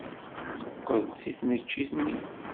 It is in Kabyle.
Teqqel-d seg tneččit-nni.